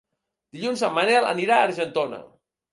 Dilluns en Manel anirà a Argentona.